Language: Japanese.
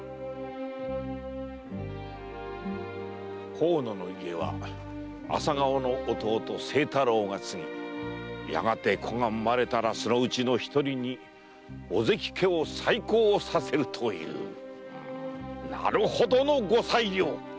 河野の家は朝顔の弟・清太郎が継ぎやがて子が生まれたらそのうちの一人に小関家を再興させるなるほどのご裁量。